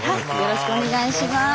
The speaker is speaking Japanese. よろしくお願いします。